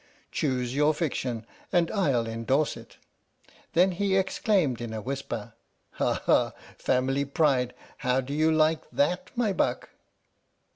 " Choose your fiction and I'll endorse it." Then he exclaimed in a whisper: " Ha ha, Family Pride, how do you like that, my buck?